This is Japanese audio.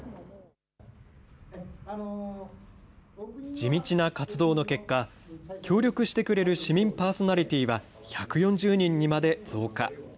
地道な活動の結果、協力してくれる市民パーソナリティーは１４０人にまで増加。